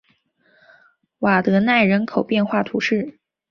瓦德奈人口变化图示